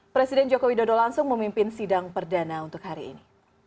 presiden joko widodo langsung memimpin sidang perdana untuk hari ini